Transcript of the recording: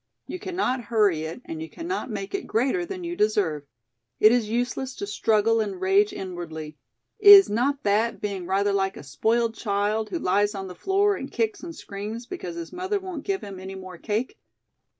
You cannot hurry it and you cannot make it greater than you deserve. It is useless to struggle and rage inwardly. Is not that being rather like a spoiled child, who lies on the floor and kicks and screams because his mother won't give him any more cake?